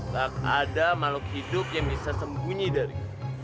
tak ada makhluk hidup yang bisa sembunyi dari